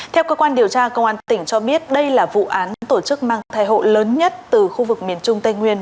theo cơ quan điều tra công an tỉnh cho biết đây là vụ án tổ chức mang thai hộ lớn nhất từ khu vực miền trung tây nguyên